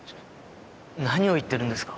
何を言ってるんですか。